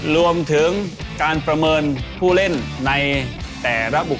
รวมถึงการประเมินผู้เล่นในแต่ละบุค